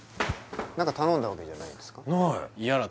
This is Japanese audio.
何か頼んだわけじゃないんですかな